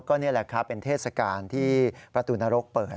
ก็นี่แหละครับเป็นเทศกาลที่ประตูนรกเปิด